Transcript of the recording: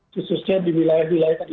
khususnya di wilayah wilayah tadi